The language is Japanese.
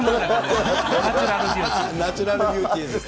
ナチュナチュラルビューティーです。